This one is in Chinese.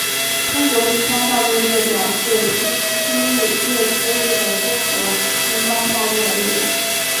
中国地方道路列表是依区域列出日本中国地方道路的列表。